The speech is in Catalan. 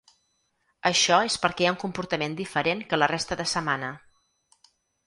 Això és perquè hi ha un comportament diferent que la resta de setmana.